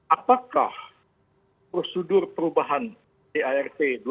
apakah prosedur perubahan dirt dua ribu lima belas